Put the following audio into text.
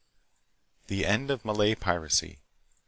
* The End of Malay Piracy.